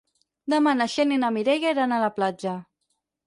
Demà na Xènia i na Mireia iran a la platja.